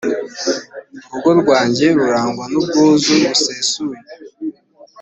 urugo rwanjye rurangwa n’ubwuzu busesuye.